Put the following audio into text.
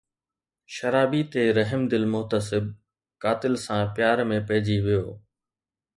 شرابي تي رحمدل محتسب قاتل سان پيار ۾ پئجي ويو